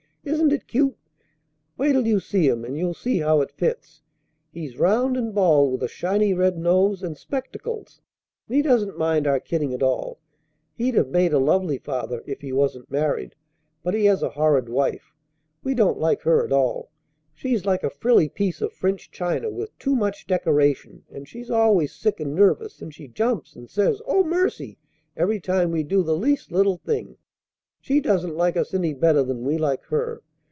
"Isn't it cute? Wait till you see him, and you'll see how it fits. He's round and bald with a shiny red nose, and spectacles; and he doesn't mind our kidding at all. He'd have made a lovely father if he wasn't married, but he has a horrid wife. We don't like her at all. She's like a frilly piece of French china with too much decoration; and she's always sick and nervous; and she jumps, and says 'Oh, mercy!' every time we do the least little thing. She doesn't like us any better than we like her.